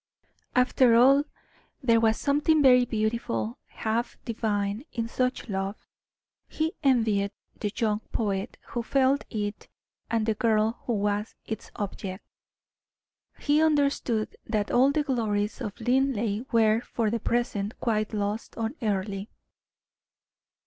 After all, there was something very beautiful, half divine, in such love. He envied the young poet who felt it and the girl who was its object. He understood that all the glories of Linleigh were for the present quite lost on Earle.